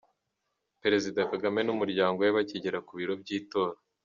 Perezida Kagame n’umuryango we bakigera ku biro by’itora.